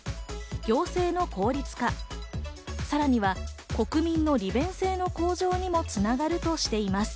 行政の効率化、さらには国民の利便性の向上にもつながるとしています。